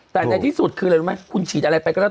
แต่ในที่สุดคือคุณฉีดอะไรไปก็ได้